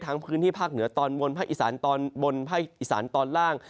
พื้นที่ภาคเหนือตอนบนภาคอีสานตอนบนภาคอีสานตอนล่าง